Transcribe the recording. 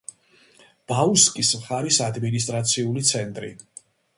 ბაუსკის მხარის ადმინისტრაციული ცენტრი.